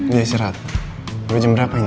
ya si rat udah jam berapa ini